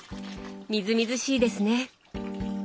みずみずしいですね！